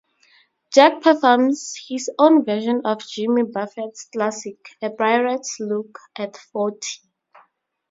Jack performs his own version of Jimmy Buffett's classic "A Pirate Looks at Forty".